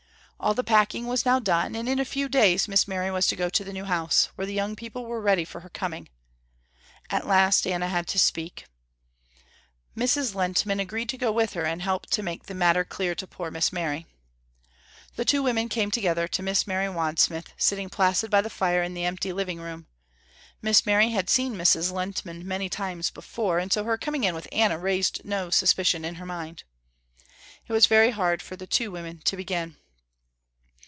All the packing was now done and in a few days Miss Mary was to go to the new house, where the young people were ready for her coming. At last Anna had to speak. Mrs. Lehntman agreed to go with her and help to make the matter clear to poor Miss Mary. The two women came together to Miss Mary Wadsmith sitting placid by the fire in the empty living room. Miss Mary had seen Mrs. Lehntman many times before, and so her coming in with Anna raised no suspicion in her mind. It was very hard for the two women to begin.